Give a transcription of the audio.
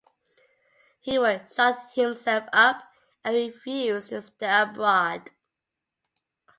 He would shut himself up and refuse to stir abroad.